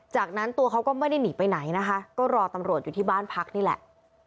จากนั้นตัวเขาก็ไม่ได้หนีไปไหนนะคะก็รอตำรวจอยู่ที่บ้านพักนี่แหละ